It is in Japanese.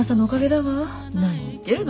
何言ってるの。